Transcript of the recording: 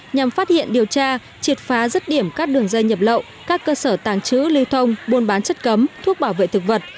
nhằm phát hiện điều tra triệt phá rứt điểm các đường dây nhập lậu các cơ sở tàng trữ lưu thông buôn bán chất cấm thuốc bảo vệ thực vật